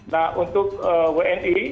nah untuk wni